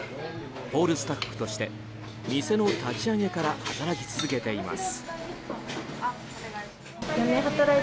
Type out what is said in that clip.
ホールスタッフとして店の立ち上げから働き続けています。